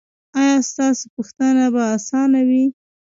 ایا ستاسو پوښتنه به اسانه وي؟